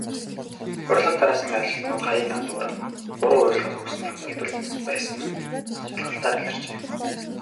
Урилга тараасан ажилтнууд хаяг андууран, буруу урилга өгсөн тохиолдол байсан нь шалгалтаар илэрчээ.